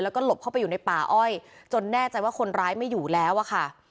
แล้วก็หลบเข้าไปอยู่ในป่าอ้อยจนแน่ใจว่าคนร้ายไม่อยู่แล้วอะค่ะ